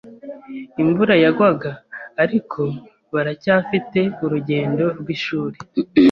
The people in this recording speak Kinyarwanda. Imvura yagwaga. Ariko, baracyafite urugendo rwishuri.